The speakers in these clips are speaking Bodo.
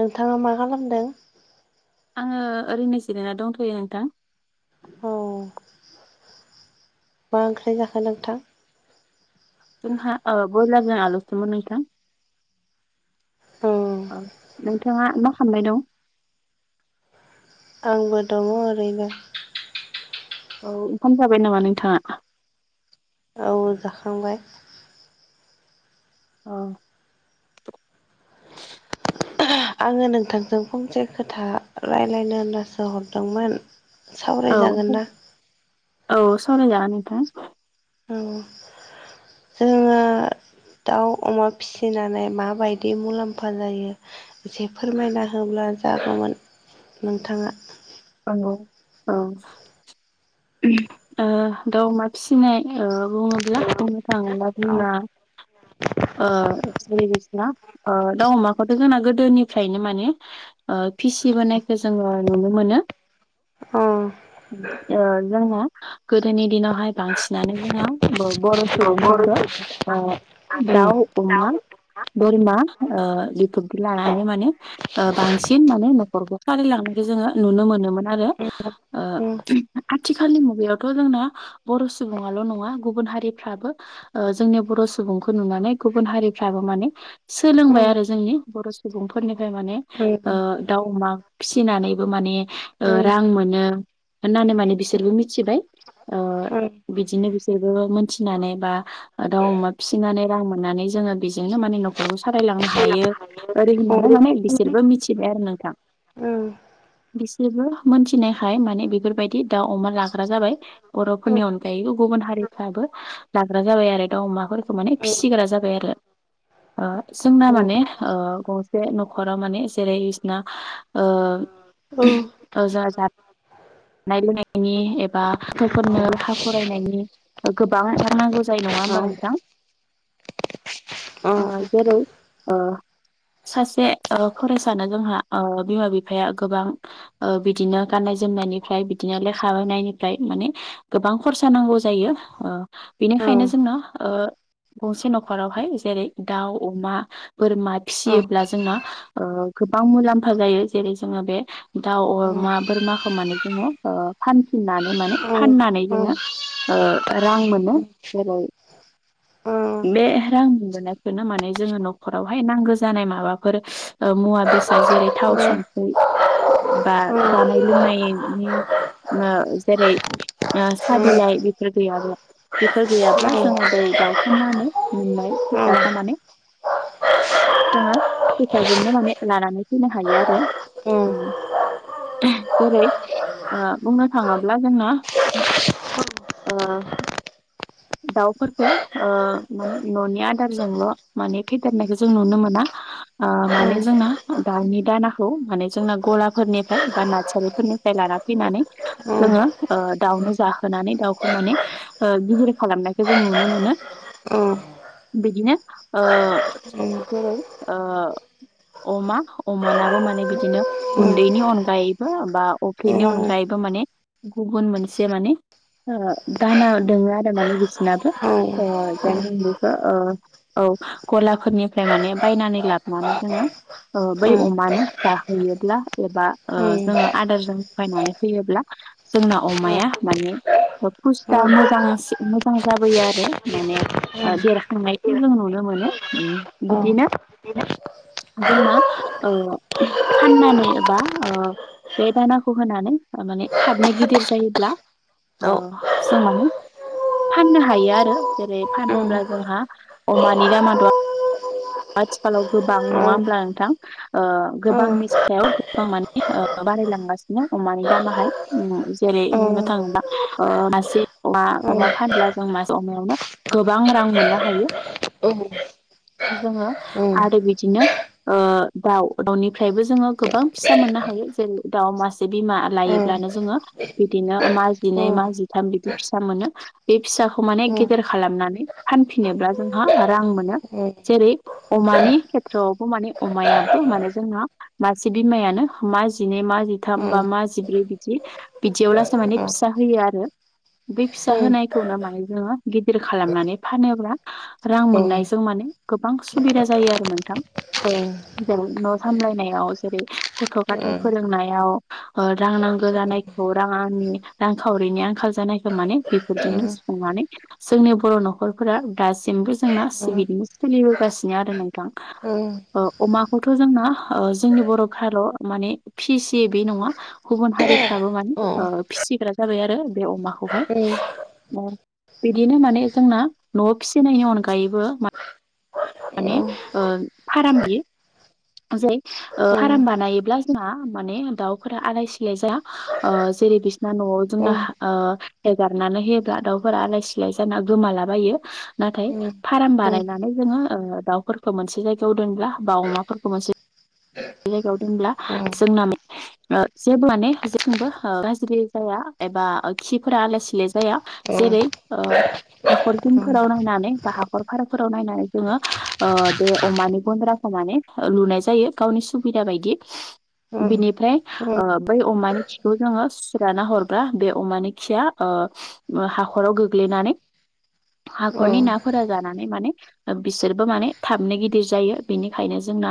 नोंथाङा मा खालामदों ङो ओरैनो जिरायना दंथ'यो नोंथां औ मा ओंख्रि जाखो नोंथां जोंहा ओ ब्रयलारजों आलुसोमोन नोंथां औ नोंथाङा मा खालामनाय दं आंबो दङ ओरैनो औ ओंखाम जाबाय नामा नोंथाङा औ जाखांबाय औ ओहो आङो नोंथांजों फंसे खोथा रायज्लायनो होननासो हरदोंमोन औ सावरायजागोन ना औ सावराय जागोन नोंथां औ जोङो दाउ अमा फिसिनानै माबायदि मुलाम्फा जायो जे फोरमायना होब्ला जागौमोन नोंथाङा नंगौ औ ओ दाउ अमा फिसिनाय ओ बुङोब्ला बुंनो थाङोबा अ जोंना ओ एरै बायदिना ओ दाउ अमाखौथ' जोंना गोदोनिफ्रायनो माने ओ फिसिबोनायखौ जों जोङो नुनो मोनो अह ओ जोंना गोदोनि दिनावहाय बांसिनानो जोंना बर' सुबुंफोरखौ ओ दाउ अमा बोरमा ओ बिफोरबादि लानानै माने बांसिन माने न'खरखौ सालायलांनाय जे जोङो नुनो मोनो मोन आरो ओ उम आथिखालनि मुगायावथ' जोंना बर' सुबुंआल' नङा गु गुबुन हारिफ्राबो ओ जोंनि बर' सुबुंखौ नुनानै गुबुन हारिफ्राबो माने सोलोंबाय उम आ आरो जोंनि बर' सुबुंफोरनिफ्राय माने उम ओ दाउ अमा फिसिनानैबो माने ओ उम रां मोनो होननानै माने बिसोरबो मिथिबाय ओ बिदिनो बिसोरबो मोनथिनानै बा दाउ अमा फिसिनानै रां मोननानै जोङो बेजोंनो माने न'खरखौ सालायलांनो हायो ओरै होननानै माने बिसोरबो मिथिबाय आरो नोंथां उम जेबो मोनथिनायखाय माने बेफोरबायदि दाउ अमा लाग्रा जाबाय बर'फोरनि उम अनगायैबो गुबुन हारि फ्राबो लाग्रा जाबाय आरो दाउ अमाफोरखौ माने उम फिसिग्रा जाबाय आरो। ओ जोंना उम माने ओ गंसे न'खराव माने जेरै बिसना ओ [inaudible] [unintelligible] जानाय लोंनायनि एबा गथ'फोरनो लेखा फरायनायनि गोबां आरो नांगौ जायो नङा होमबा नोंथां [inaudible] ओ जेरै ओ सासे ओ फरायसानो जोंहा ओ बिमा बिफाया गोबां ओ बिदिनो गाननाय जोमनायनि। फ्राय बिदिनो लेखा होनायनिफ्राय माने गोबां खरसा नांगौ जायो ओ बेनिखायनो जों। ना ओ। गंसे न'खरावहाय जेरै दाउ अमा बोरमा फिसियोब्ला जोंना ओ। गोबां मुलाम्फा जायो जेरै जोङो बे दाउ अमा बोरमाखौ माने जोङो ओ फान। फिनानै माने फाननानै जोङो ओ रां मोनो जेरै। [inaudible] बे रां मोनबोनायखौनो माने जोङो न'खरावहाय नांगौ जानाय माबाफोर मुवा बेसाद। जेरै थाव संख्रि बा जानाय लोंनाय। नि ओ जेरै ओ साबिलाइ बेफोर गैयाब्ला बेफोर गैयाब्ला जोङो बै दावफनानै मोननाय फैसाखौ माने जोङो फैसाजोंनो माने लानानै फैनो हायो आरो। जरै ओ बुंनो थाङोब्ला जोंना ओ दाउफोरखो ओ माने न'नि आदारजोंल' माने फेदेरनायखौ जों नुनो मोना। ओ माने जोंना दाउनि दानाखौ माने जोंना गलाफोरनिफ्राय बा नास्सारिफोरनि। फाय लाना‌ फैनानै जोङो दाउनो जाहोनानै दाउखौ माने गिदिर । खालामनायखौ जों नुनो मोनो। बिदिनो ओ जेरै ओ। अमा अमानाबो माने बिदिनो गुन्दैनि अनगायैबो बा अखेनि अनगायैबो। माने गुबुन मोनसे माने ओ दाना दोङो आरो। माने बिसिनाबो ओ [unintelligible] औ गलाफोरनिफ्राय माने बायनानै लाबोनानै जोङो। ओ बै अमानो जाहैयोब्ला एबा ओ जोङो आदारजों लगायनानै होयोब्ला। जोंना अमाया माने फुस्ता मोजां सि। मोजां जाबोयो आरो माने देरखांनायखौ जों नुनो मोनो बिदिनो। [unintelligible] जोंना ओ फाननानै एबा ओ बे दानाखौ होनानै माने थाबनो गिदिर जायोब्ला ओ समानि फाननो हायो आरो जेरै फानोब्ला जोंहा अमानि दामा दं आथिखालाव गोबां नङा होमब्ला नोंथां ओ गोबांनि सायाव गोबां माने ओ बारायलांगासिनो अमानि दामाहाय जेरै बुंनो थाङोबा ओ मासे अमा । अमा फानब्ला जों मासे अमायावनो गोबां रां मोननो हायो [unintelligible] जोङो आरो बिदिनो। ओ दाउ दाउनिफ्रायबो जोङो गोबां फिसा मोननो हायो जेरै दाउ मासे बिमा लायोब्ला। मानो जोंड़ो बिदिनो माजिनै-माजिथाम बिदि फिसा मोनो बे फिसाखौ माने गेदेर खा खालामनानै फानफिनोब्ला जोंहा रां मोनो। जेरै अमानि खेथ्रआवबो माने अमायाबो माने जोंना मासे बिमायानो मा जिनै, मा जिथाम, बा मा जिब्रै, बिदि बिदियाव लासो माने फिसा होयो आरो। बे फिसा होनायखौनो माने जोङो गिदिर खालामनानै फानोब्ला रां मोननायजों माने गोबां सुबिदा जायो आरो नोंथां। जेरै न' सामलायनायाव जेरै गथ' -गथाइ फोरोंनायाव रां नांगोन जानायखौ रांआनि रांखावरिनि आंखाल जानायखौ माने बेफोरजोंनो सुफुंनानै जोंनि बर' न'खरफोरा दासिमबो जोंना सिबिदिनो सोलिबोगासिनो आरो नोंथां। अ अमाखौथ' जोंना जोंनि बर' खाल' माने फिसि बे नङा गुबुन हारिफ्राबो माने औ ओ फिसिग्रा जाबाय आरो बे अमाखौहाय औ बिदिनो माने जोंना न'आव फिसिनायनि अनगायैबो माने ओ फाराम बियो जै औ फार्म बानायोब्ला जोंहा माने दाउफोरा आलाय -सिलाय जाया ओ जेरै बिसना न'आव जोंना हेगारनानै होयोब्ला दाउफोरा आलाय- सिलाय जाना गोमालाबायो। नाथाय फारम बानायनानै जोङो ओ दाउफोरखौ मोनसे जायगायाव दोनब्ला बा अमाफोरखौ मोनसे जायगायाव दोनब्ला जोंना माने जेबो माने जेंथिंबो गाज्रि जाया। एबा खिफोरा आलाय- सिलाय जाया जेरै हाखर जिंफोराव नायनानै बा हाखर फाराफोराव नायनानै जोङो ओ बे अमानि गन्द्रा माने लुनाय जायो गावनि सुबिदा बायदि बिनिफ्राय ओ बै अमानि खिखौ जोङो सुुराना हरग्रा बे अमानि खिया ओ ओ हाखराव गोग्लैनानै हाखरनि नाफोरा जानानै माने बिसोरबो माने थाबनो गिदिर जायो बेनिखायनो जों जोंना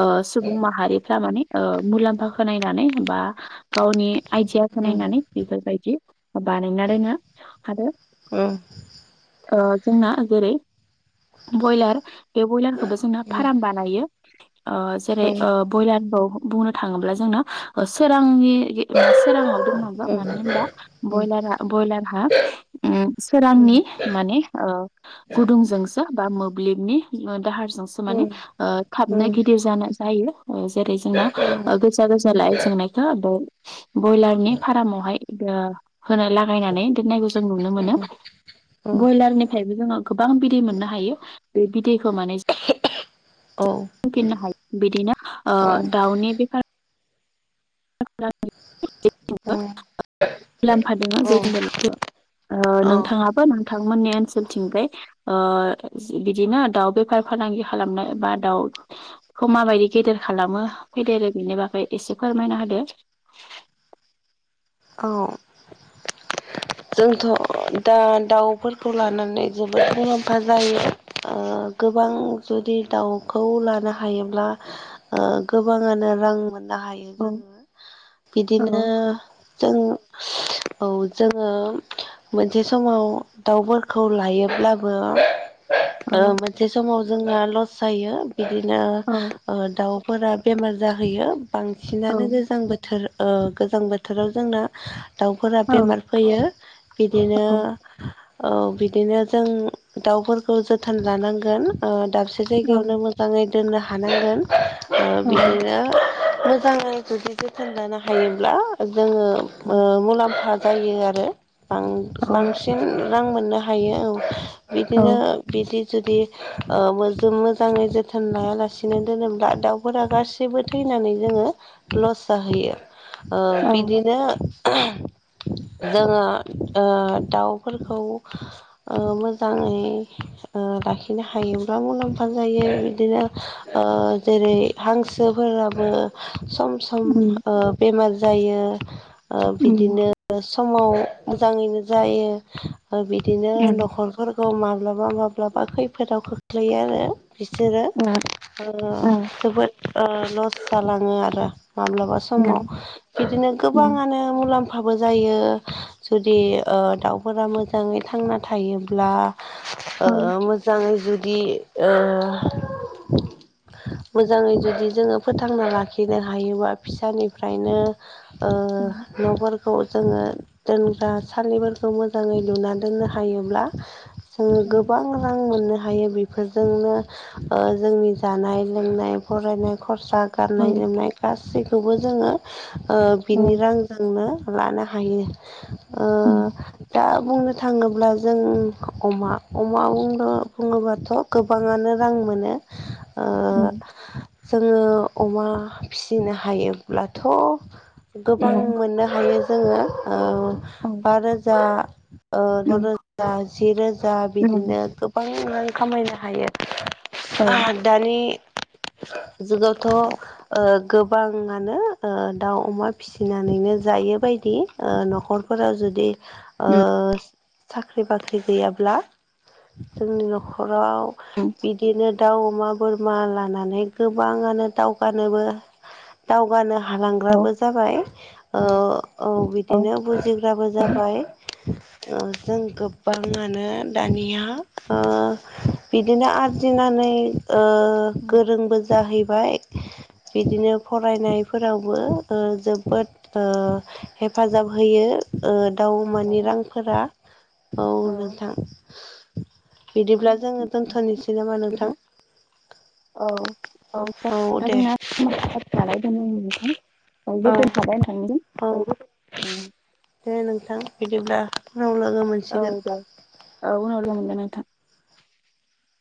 ओ सुबुं माहारिफ्रा माने ओ मुलाम्फाखौ नायनानै बा गावनि आइदियाखौ नाय -नानै बेफोरबायदि बानायना दोङो आरो औ। ओ जोंना जेरै ब्रयलार बे ब्रयलारखौबो जोंना फार्म बानायो। ओ जेरै ब्रयलार [unintelligible] बुंनो थाङोब्ला जोंनो सोरांनि -सोराङाव दोननांगौ मानो होनबा ब्रयलारा -ब्रयलारहा ओ सोरांनि माने गुदुंजोंसो बा मोब्लिबनि दाहारजोंसो माने थाबनो [unintelligible] [unintelligible] जाना जायो जेरै जोंना गोजा -गोजा लाइथ जोंनायखौ ब्रयलारनि फारमावहाय होना लागायनानै दोननायखौ जों नुनो मोनो। ब्रयलारनिफ्रायबो जोङो गोबां बिदै मोननो हायो बे बिदैखौ माने फिफिननो हायो बिदिनो ओ दाउनि बेफार [unintelligible] जेथिंबो मुलाम्फा दं। [unintelligible] ओ नोंथाङाबो नोंथांमोननि ओनसोलथिंजाय बिदिनो ओ दाउ बेफार फालांगि खालामनाय बा दाउखौ माबायदि गेदेर खालामो फेदेरो बेनि बागै एसे फोरमायनो हो [unintelligible] औ जोंथ' दा दाउफोरखौ लानानै जोबोद मुलाम्फा जायो। ओ गोबां जुदि दाउखौ लानो हायोब्ला ओ गोबाङानो रां [unintelligible] [unintelligible] हायो जों बिदिनो जों औ जों [unintelligible] मोनसे समाव दाउफोरखौ लायोब्लाबो मोनसे समाव जोंना लस जायो बिदिनो ओ दाउ [unintelligible] बेमार जाहैयो बांसिनानो गोजां बोथोर ओ गोजां बोथोराव जोंना दाउफोरा बेमार फैयो बिदिनो औ बिदिनो जों दाउफोरखौ जोथोन लानांगोन ओ [unintelligible] से जायगायावनो मोजाङै दोननो हानांगोन। बिदिनो मोजाङै जुदि जोथोन लानो हायोब्ला जोङो ओ मुलाम्फा जायो आरो बां- बांसिन रां मोननो हायो ।औ। बिदिनो बिदि जुदि जों मोजाङै जोथोन लायालासेनो दोनोब्ला दाउफोरा गासिबो थै नानै जोङो लस जाहैयो बिदिनो जोङो दाउफोरखौ मोजाङै लाखिनो हायोब्ला मुलाम्फा जायो बिदिनो जेरै हांसोफोरा बो सम सम बेमार जायो बिदिनो समाव मोजाङैनो जायो बिदिनो न'खरफोरखौ माब्लाबा मा ब्लाबा खैफोदाव खोख्लैयो आरो बिसोरो जोबोद लस जालाङो आरो माब्लाबा समाव बिदिनो गोबाङानो मुलाम्फा बो जायो जुदि दाउफोरा मोजाङै थांना थायोब्ला मोजाङै जुदि मोजाङै जुदि जोङो फोथांना लाखिनो हायोबा फिसानिफ्रायनो न'फोर खौ जोङो दोनग्रा सालिफोरखौ मोजाङै लुना दोननो हायोब्ला जोङो गोबां रां मोननो हायो बेफोरजोंनो जोंनि जानाय लोंनाय फरायनाय खर सा गाननाय जोमनाय गासैखौबो जोङो बिनि रांजोंनो लानो हायो ओ उम दा बुंनो थाङोब्ला जों अमा अमा बुं बुङोबाथ' गोबाङानो रां मोनो औ ओ जोङो अमा फिसिनो हायोब्लाथ' गोबां मोननो हा यो जोङो बा रोजा द' रोजा जि रोजा बिदिनो गोबां रां खामायनो हायो दानि जुगावथ' गोबाङानो दाउ अमा फिसिनानैनो जों जायो बायदि न'खरफोराव जुदि साख्रि बाख्रि गैयाब्ला जोंनि न'खराव बिदिनो दाउ अमा बोरमा लानानै गोबाङानो दावगानोबो दावगानो हालांग्राबो जाबाय औ औ बिदिनो बुजिग्राबो नोंथां जाबाय [inaudible] जों गोबाङानो दानिया बिदिनो आरजिनानै गोरोंबो जाहैबाय बिदिनो फरायनायफोरावबो जोबोद हेफाजाब होयो दाउ अमानि रांफोरा औ नोंथां बिदिब्ला जोङो दोनथ'नोसै नामा बिदि नोंथां औ औ जागोन औ नोंनां दे जोंना समाबो जाबाय नालाय दोनदो नोंथां औ औ दे नोंथां ओ बिदिब्ला उनाव लोगो औ मोनसिगोन जागोन औ उनाव लोगो मोनगोन नोंथां